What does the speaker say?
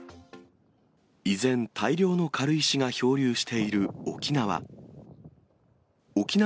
依然、大量の軽石が漂流している沖縄。